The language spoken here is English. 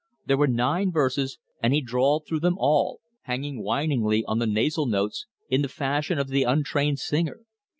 There were nine verses, and he drawled through them all, hanging whiningly on the nasal notes in the fashion of the untrained singer.